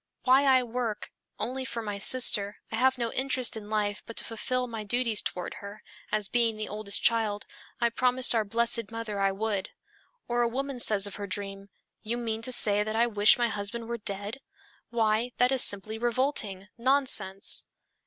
Why I work only for my sister, I have no interest in life but to fulfill my duties toward her, as being the oldest child, I promised our blessed mother I would." Or a woman says of her dream, "You mean to say that I wish my husband were dead! Why, that is simply revolting, nonsense.